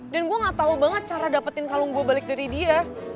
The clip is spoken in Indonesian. dan gua gak tau banget cara dapetin kalung gue balik dari dia